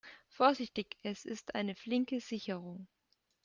Vorsichtig, es ist eine flinke Sicherung.